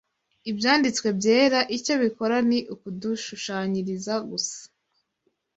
Ibyanditswe Byera icyo bikora ni ukudushushanyiriza gusa